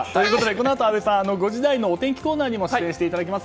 このあと阿部さんは５時台のお天気コーナーにも出演していただきます